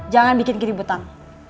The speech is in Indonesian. jangan bikin gini betang